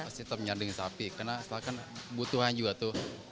pasti tetap menyiar daging sapi karena setelah kan kebutuhan juga tuh